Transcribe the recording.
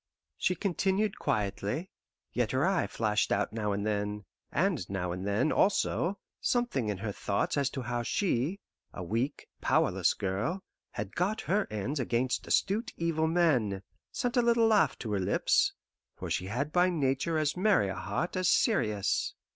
She continued quietly; yet her eye flashed out now and then, and now and then, also, something in her thoughts as to how she, a weak, powerless girl, had got her ends against astute evil men, sent a little laugh to her lips; for she had by nature as merry a heart as serious.